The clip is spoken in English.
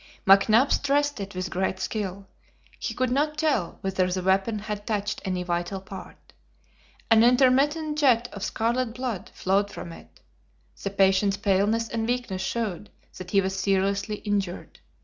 McNabbs dressed it with great skill. He could not tell whether the weapon had touched any vital part. An intermittent jet of scarlet blood flowed from it; the patient's paleness and weakness showed that he was seriously injured.